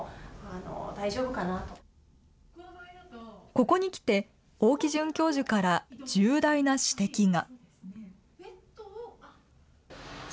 ここに来て、大木准教授から重大な指摘が。